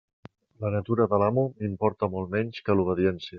La natura de l'amo m'importa molt menys que l'obediència.